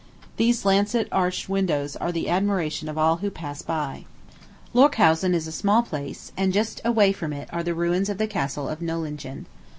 Those lancet arched windows are the admiration of all who pass by. Lorchausen is a small place, and just away from it are the ruins of the Castle of Nollingen.